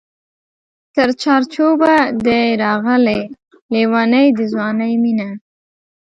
تر چار چوبه دی راغلې لېونۍ د ځوانۍ مینه